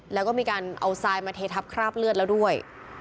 แล้วก็มีการเอาทรายมาเททับคราบเลือดแล้วด้วย